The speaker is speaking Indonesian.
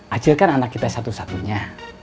acil kan anak kita satu satunya